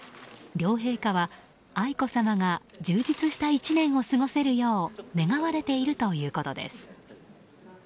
両陛下は、愛子さまが充実した１年を過ごせるよう願われているということです。